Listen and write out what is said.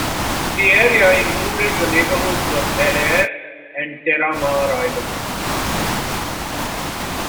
The area included the neighborhoods of Bel Air and Terra Mar Island.